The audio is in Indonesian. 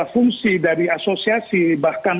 fungsi dari asosiasi bahkan